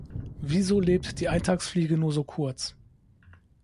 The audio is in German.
Wieso lebt die Eintagsfliege nur so kurz?